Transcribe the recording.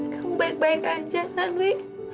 kamu baik baik aja kan wi